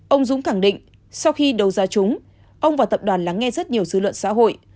ông dũng khẳng định sau khi đấu ra chúng ông và tập đoàn lắng nghe rất nhiều dư luận xã hội